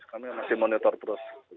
kami masih monitor terus